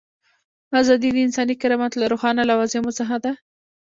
ازادي د انساني کرامت له روښانه لوازمو څخه ده.